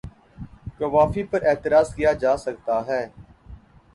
قوافی پر اعتراض کیا جا سکتا ہے۔